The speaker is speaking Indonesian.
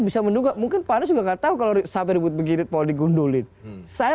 bisa menduga mungkin pak anies juga gak tahu kalau saberibut begini kalau digundulin saya